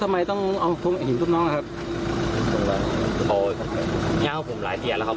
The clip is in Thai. ทำไมต้องเอาหินทุกน้องครับโอ้ยยาวผมหลายเกียรติแล้วครับ